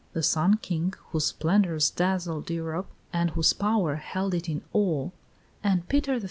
the "Sun King," whose splendours dazzled Europe, and whose power held it in awe; and Peter I.